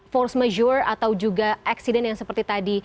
force majore atau juga accident yang seperti tadi